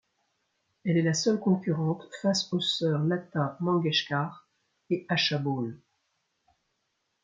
Elle est la seule concurrente face aux sœurs Lata Mangeshkar et Asha Bhosle.